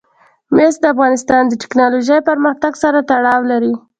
مس د افغانستان د تکنالوژۍ پرمختګ سره تړاو لري.